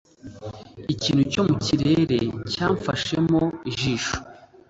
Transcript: Ikintu cyo mu kirere cyamfashemo ijisho.